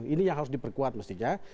ini yang harus diperkuat mestinya